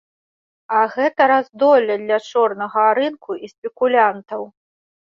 А гэта раздолле для чорнага рынку і спекулянтаў.